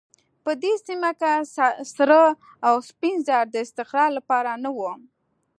په دې سیمه کې سره او سپین زر د استخراج لپاره نه وو.